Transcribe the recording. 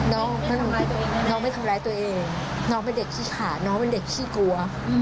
น้องไม่ทำร้ายตัวเองน้องเป็นเด็กขี้ขาน้องเป็นเด็กขี้กลัว